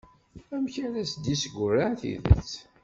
Amek ara as-d-yeggurraɛ tidet?